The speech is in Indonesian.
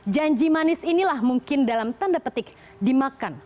janji manis inilah mungkin dalam tanda petik dimakan